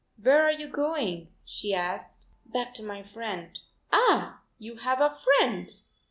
"Where are you going?" she asked. "Back to my friend." "Ah, you have a friend!